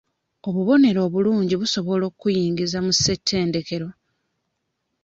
Obubonero obulungi busobola okuyingiza mu ssetendekero.